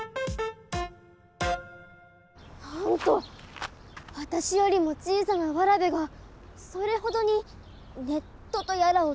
なんとわたしよりも小さなわらべがそれほどにネットとやらを使っておるのか。